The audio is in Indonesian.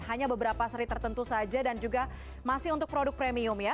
hanya beberapa seri tertentu saja dan juga masih untuk produk premium ya